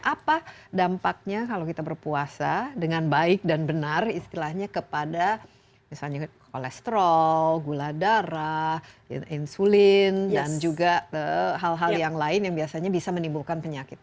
apa dampaknya kalau kita berpuasa dengan baik dan benar istilahnya kepada misalnya kolesterol gula darah insulin dan juga hal hal yang lain yang biasanya bisa menimbulkan penyakit